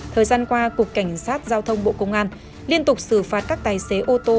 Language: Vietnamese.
thời gian qua cục cảnh sát giao thông bộ công an liên tục xử phạt các tài xế ô tô